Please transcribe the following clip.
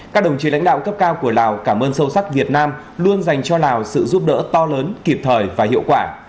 các đồng chí lãnh đạo cấp cao của lào cảm ơn sâu sắc việt nam luôn dành cho lào sự giúp đỡ to lớn kịp thời và hiệu quả